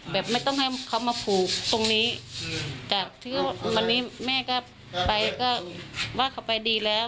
แบบไม่ต้องให้เขามาผูกตรงนี้จากที่วันนี้แม่ก็ไปก็ว่าเขาไปดีแล้ว